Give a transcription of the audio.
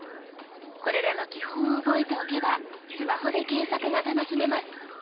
これらの基本を覚えておけばスマホで検索が楽しめます。